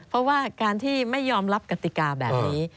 เพราะว่าการที่ไม่ยอมรับกติกาแบบนี้